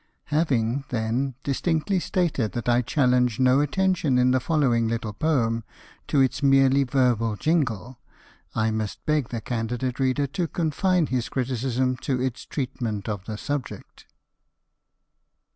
Having, then, distinctly stated that I challenge no attention in the following little poem to its merely verbal jingle, I must beg the candid reader to confine his criticism to its treatment of the subject.